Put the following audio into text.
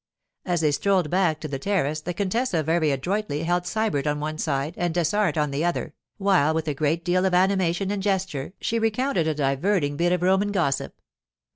As they strolled back to the terrace the contessa very adroitly held Sybert on one side and Dessart on the other, while with a great deal of animation and gesture she recounted a diverting bit of Roman gossip.